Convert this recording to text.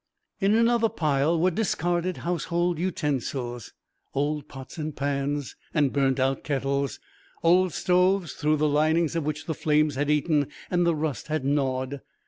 In another pile were discarded household utensils old pots and pans and burnt out kettles, old stoves through the linings of which the flames had eaten and the rust had gnawed.